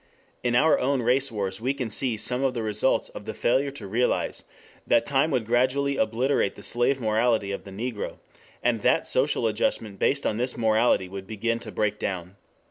In our own race wars we can see some of the results of the failure to realize that time would gradually obliterate the slave morality of the Negro, and that social adjustment based on this morality would begin to break down.